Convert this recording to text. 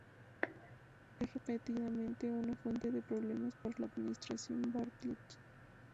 Es repetidamente una fuente de problemas para la administración Bartlet.